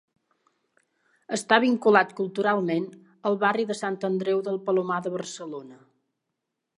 Està vinculat culturalment al barri de Sant Andreu del Palomar de Barcelona.